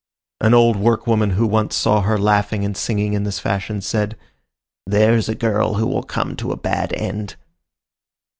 An old workwoman who once saw her laughing and singing in this fashion said, "There's a girl who will come to a bad end."